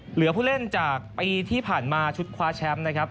เหลือผู้เล่นจากปีที่ผ่านมาชุดคว้าแชมป์นะครับ